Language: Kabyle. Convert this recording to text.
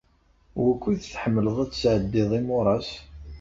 Wukud tḥemmleḍ ad tesɛeddiḍ imuras?